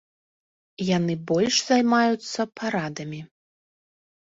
Яны больш займаюцца парадамі.